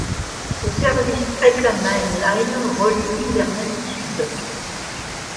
Le service Highland Main Line relie Inverness au Sud.